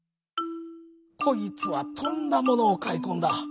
「こいつはとんだものをかいこんだ。